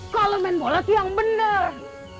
kalo main bola tuh yang bener